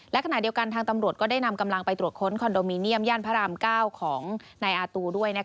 และขณะเดียวกันทางตำรวจก็ได้นำกำลังไปตรวจค้นคอนโดมิเนียมย่านพระราม๙ของนายอาตูด้วย